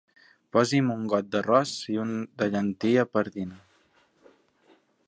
Posi'm un got d'arròs i un de llentia pardina.